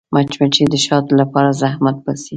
مچمچۍ د شاتو لپاره زحمت باسي